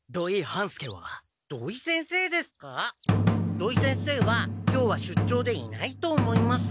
土井先生は今日は出張でいないと思います。